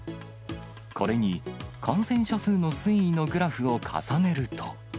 これに感染者数の推移のグラフを重ねると。